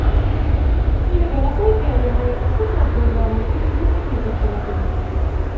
Не ведаю, наколькі, але мая наступная праграма будзе зусім не карпаратыўнай.